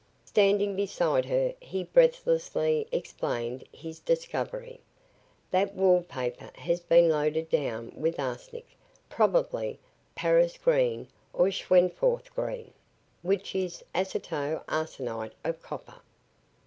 Standing beside her, he breathlessly explained his discovery. "That wall paper has been loaded down with arsenic, probably Paris green or Schweinfurth green, which is aceto arsenite of copper.